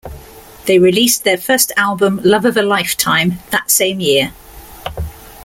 They released their first album, "Love of a Lifetime", that same year.